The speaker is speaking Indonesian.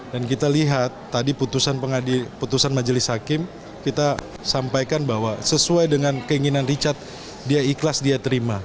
dan kita lihat tadi putusan majelis hakim kita sampaikan bahwa sesuai dengan keinginan richard dia ikhlas dia terima